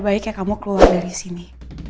baiknya kamu keluar dari sini